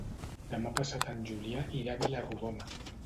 Demà passat en Julià irà a Vila-rodona.